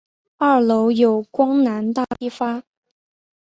二楼有光南大批发。